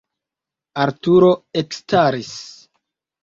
Arturo ekstaris.